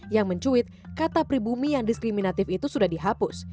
yang mencuit kata pribumi yang diskriminatif itu sudah dihapus